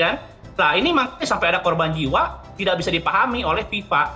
nah ini makanya sampai ada korban jiwa tidak bisa dipahami oleh fifa